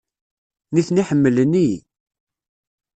Nitni ḥemmlen-iyi.